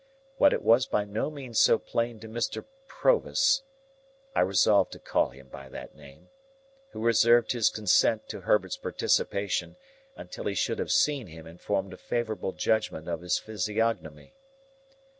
But it was by no means so plain to Mr. Provis (I resolved to call him by that name), who reserved his consent to Herbert's participation until he should have seen him and formed a favourable judgment of his physiognomy.